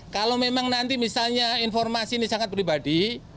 kalau memang nanti misalnya informasi ini sangat pribadi